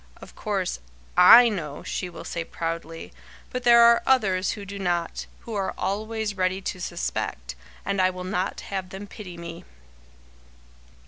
Of course, I know," she will say, proudly, "but there are others who do not, who are always ready to suspect, and I will not have them pity me!"